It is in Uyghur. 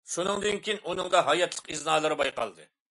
شۇنىڭدىن كىيىن ئۇنىڭدا ھاياتلىق ئىزنالىرى بايقالدى.